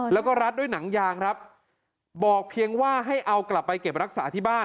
แล้วก็รัดด้วยหนังยางครับบอกเพียงว่าให้เอากลับไปเก็บรักษาที่บ้าน